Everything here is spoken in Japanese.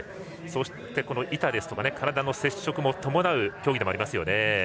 そして、板ですとか体の接触も伴う競技でもあります。